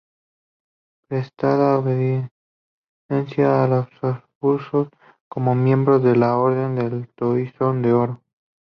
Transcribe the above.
Prestaba obediencia a los Habsburgo como miembro de la Orden del Toisón de Oro.